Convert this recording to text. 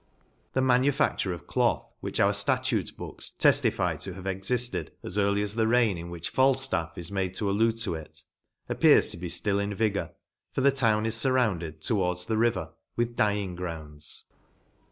The ma nufacture of cloth, which otir ftatute books teftify to have exifted as early as the reign in which Faljlaff is made to allude to it, appears to be ftill in vigour, for the town is furrounded, towards the river, with dyeing grounds.